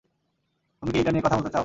তুমি কি এইটা নিয়ে কথা বলতে চাও?